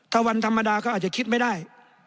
ถ้าวันธรรมดาเขาอาจจะคิดไม่ได้